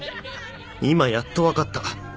今やっと分かった。